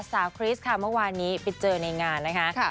คริสต์ค่ะเมื่อวานนี้ไปเจอในงานนะคะ